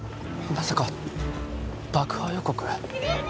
まさか爆破予告？